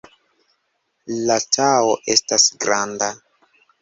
La Tao estas granda.